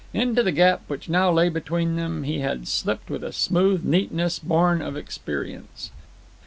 Into the gap which now lay between them he had slipped with a smooth neatness born of experience.